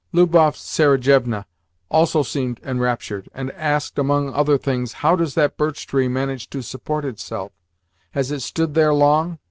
Lubov Sergievna also seemed enraptured, and asked (among other things), "How does that birch tree manage to support itself? Has it stood there long?"